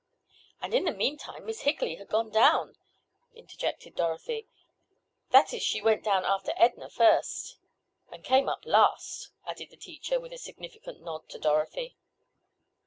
"And, in the meantime Miss Higley had gone down," interjected Dorothy. "That is she went down after Edna first." "And came up last," added the teacher, with a significant nod to Dorothy.